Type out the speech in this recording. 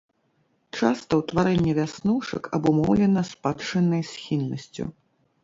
Часта ўтварэнне вяснушак абумоўлена спадчыннай схільнасцю.